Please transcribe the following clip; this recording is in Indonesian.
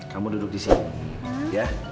kamu duduk disini ya